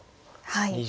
はい。